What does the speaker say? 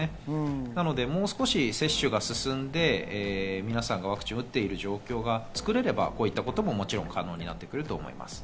なのでもう少し接種が進んで、皆さんがワクチン打っている状況が作れれば、こういったことももちろん可能になってくると思います。